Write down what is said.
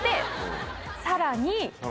さらに。